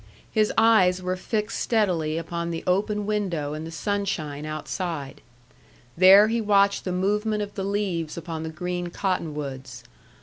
His eyes were fixed steadily upon the open window and the sunshine outside. There he watched the movement of the leaves upon the green cottonwoods.